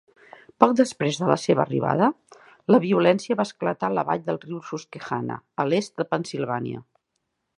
Poc després de la seva arribada, la violència va esclatar a la vall del riu Susquehanna, a l'est de Pennsilvània.